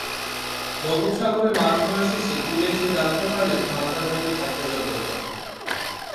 বঙ্গোপসাগরে মাছ ধরা শেষে কূলে এসে জানতে পারলেন হানাদার বাহিনীর হত্যাযজ্ঞের কথা।